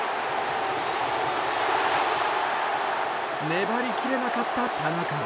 粘り切れなかった、田中。